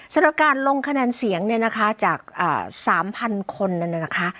สำหรับการลงคะแนนเสียงเนี่ยนะคะจาก๓๐๐คนนั้นนะคะ